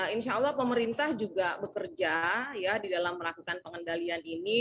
insya allah pemerintah juga bekerja ya di dalam melakukan pengendalian ini